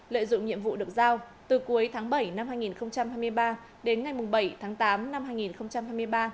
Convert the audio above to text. lợi dụng nhiệm vụ được giao từ cuối tháng bảy năm hai nghìn hai mươi ba đến ngày bảy tháng tám năm hai nghìn hai mươi ba